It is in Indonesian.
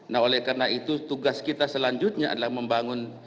nah oleh karena itu tugas kita selanjutnya adalah membangun